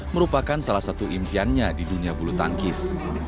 merupakan salah satu impiannya di dunia bulu tangkis